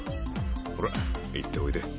ホラ行っておいで。